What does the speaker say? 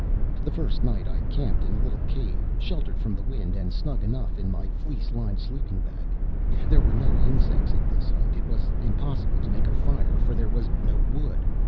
The first night I camped in a little cave, sheltered from the wind and snug enough in my fleece lined sleeping bag. There were no insects at this height. It was impossible to make a fire for there was no wood.